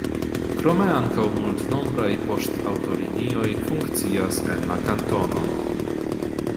Krome ankaŭ multnombraj poŝtaŭtolinioj funkcias en la kantono.